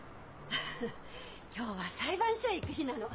フフフ今日は裁判所へ行く日なの。